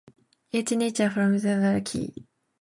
Each niche front is removable by a special key.